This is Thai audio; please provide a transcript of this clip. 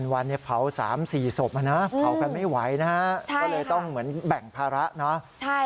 วันเผา๓๔ศพนะเผากันไม่ไหวนะฮะก็เลยต้องเหมือนแบ่งภาระเนาะ